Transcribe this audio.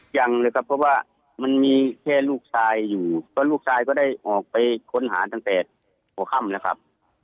ยังเลยครับเพราะว่ามันมีแค่ลูกชายอยู่ก็ลูกชายก็ได้ออกไปค้นหาตั้งแต่หัวค่ำนะครับ